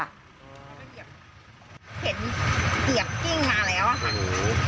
เห็นเสียบกิ้งมาแล้วอะค่ะ